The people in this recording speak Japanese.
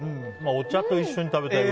お茶と一緒に食べたい。